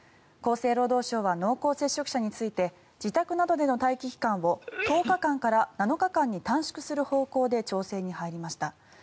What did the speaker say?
厚生労働省は濃厚接触者について自宅などでの待機期間を１０日間から７日間に短縮する方向で調整に入りました。